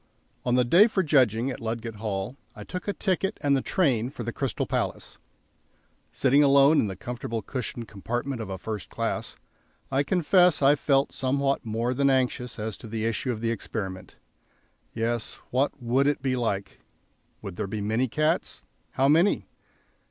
On the day for judging, at Ludgate Hill I took a ticket and the train for the Crystal Palace. Sitting alone in the comfortable cushioned compartment of a "first class," I confess I felt somewhat more than anxious as to the issue of the experiment. Yes; what would it be like? Would there be many cats? How many?